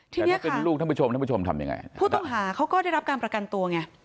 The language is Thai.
แต่ถ้าเป็นลูกท่านผู้ชมท่านผู้ชมทำยังไงผู้ต้องหาเขาก็ได้รับการประกันตัวไง